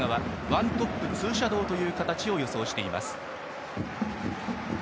ワントップツーシャドーという形を予想しています。